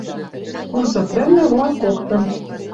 Кузов вӹлнӹ луаткоктын